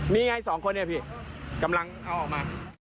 มีไง๒คนพี่